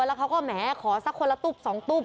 แล้วเขาก็แหมขอสักคนละตุ๊บ๒ตุ๊บ